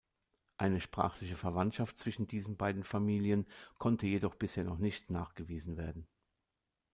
Eine sprachliche Verwandtschaft zwischen diesen beiden Familien konnte jedoch bisher noch nicht nachgewiesen werden.